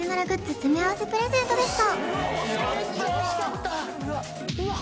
詰め合わせプレゼントでした